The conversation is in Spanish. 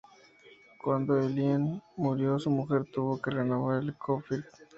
Cuando Heinlein murió su mujer tuvo que renovar el copyright.